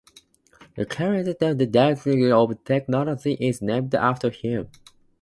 Curius' at Delft University of Technology is named after him.